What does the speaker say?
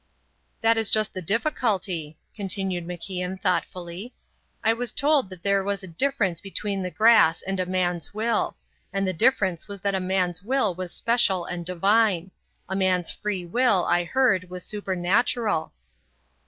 "That is just the difficulty," continued MacIan thoughtfully. "I was told that there was a difference between the grass and a man's will; and the difference was that a man's will was special and divine. A man's free will, I heard, was supernatural."